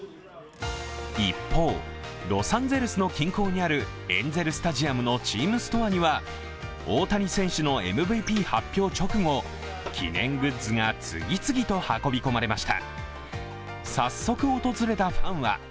一方、ロサンゼルスの近郊にあるエンゼルスタジアムのチームストアには、大谷選手のＭＶＰ発表直後、記念グッズが次々と運び込まれました。